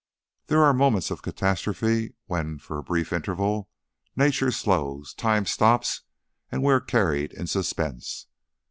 There are moments of catastrophe when for a brief interval nature slows, time stops, and we are carried in suspense.